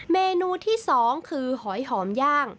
เมนูที่๒คือหอยหอมย่าง